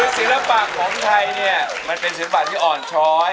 ศิลปะของไทยเนี่ยมันเป็นศิลปะที่อ่อนช้อย